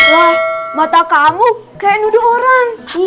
loh mata kamu kayak nuduh orang